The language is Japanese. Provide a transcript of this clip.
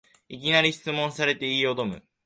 いきなり質問され言いよどむ